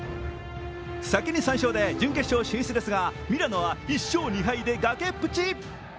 先に３勝で準決勝進出ですが、ミラノは１勝２敗で崖っぷち。